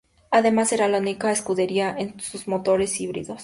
Además, será la única escudería en usar motores híbridos.